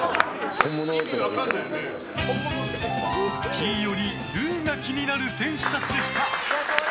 ティーよりルーが気になる選手たちでした。